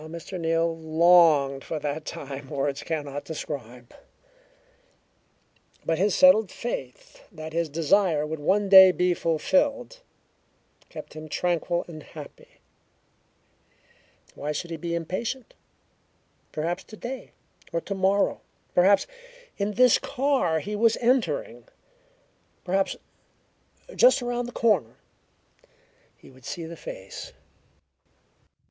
How Mr. Neal longed for that time words cannot describe, but his settled faith that his desire would one day be fulfilled kept him tranquil and happy. Why should he be impatient? Perhaps today, or tomorrow perhaps in this car he was entering, perhaps just around the next corner he would see the face.